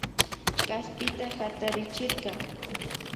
Kaspita hatarichirka